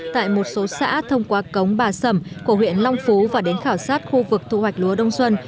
tại một số xã thông qua cống bà sầm của huyện long phú và đến khảo sát khu vực thu hoạch lúa đông xuân